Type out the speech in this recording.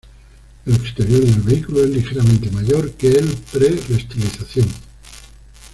El exterior del vehículo es ligeramente mayor que el pre-restilización.